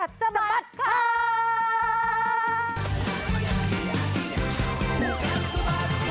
อาทิเนี่ยผู้กัดสบัดข่าว